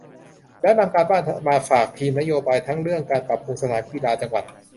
แล้วนำการบ้านมาฝากทีมนโยบาย ทั้งเรื่องการปรับปรุงสนามกีฬาจังหวัด